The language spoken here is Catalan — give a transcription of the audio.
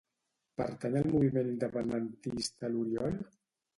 Pertany al moviment independentista l'Oriol?